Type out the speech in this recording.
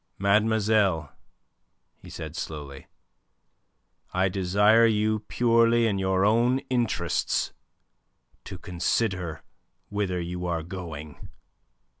"Mademoiselle," he said, slowly, "I desire you purely in your own interests to consider whither you are going."